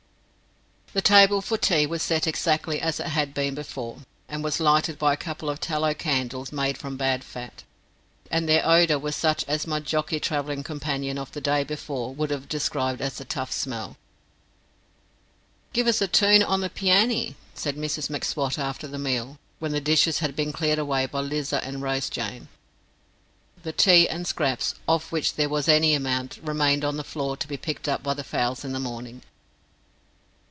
The table for tea was set exactly as it had been before, and was lighted by a couple of tallow candles made from bad fat, and their odour was such as my jockey travelling companion of the day before would have described as a tough smell. "Give us a toon on the peeany," said Mrs M'Swat after the meal, when the dishes had been cleared away by Lizer and Rose Jane. The tea and scraps, of which there was any amount, remained on the floor, to be picked up by the fowls in the morning.